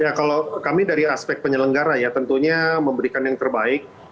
ya kalau kami dari aspek penyelenggara ya tentunya memberikan yang terbaik